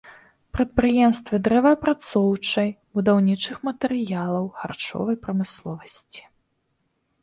Прадпрыемствы дрэваапрацоўчай, будаўнічых матэрыялаў, харчовай прамысловасці.